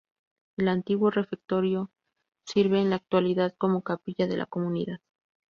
El antiguo refectorio sirve en la actualidad como capilla de la comunidad.